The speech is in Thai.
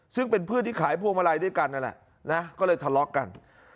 ซึ่งเป็นเพื่อนที่ขายพวงมาลัยด้วยกันนั่นแหละนะก็เลยทะเลาะกัน